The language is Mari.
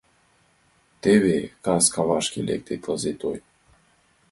Теве кас кавашке Лекте тылзе — той.